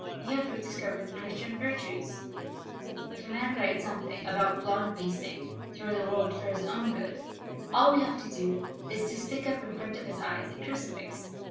We have rediscovered the Christian Virtues. If a man writes something about blond beasting through the world for his own good, all we have to do is to stick up in front of his eyes a crucifix.